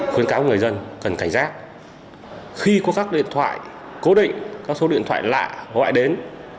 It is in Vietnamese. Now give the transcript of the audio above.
khuyến cáo người dân cần cảnh giác khi có các điện thoại cố định các số điện thoại lạ gọi đến